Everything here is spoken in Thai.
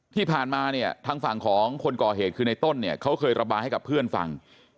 ที่ผ่านมาเนี่ยทางฝั่งของคนก่อเหตุคือในต้นเนี่ยเขาเคยระบายให้กับเพื่อนฟัง